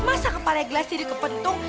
masa kepalanya glesio dikepentung